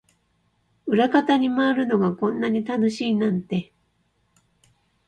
裏方に回るのがこんなに楽しいなんて